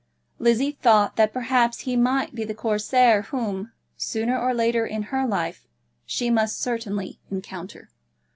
Lizzie thought that perhaps he might be the Corsair whom, sooner or later in her life, she must certainly encounter.